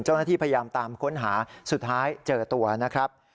เจ้าหน้าที่พยายามตามค้นหาสุดท้ายเจอตัวนะครับ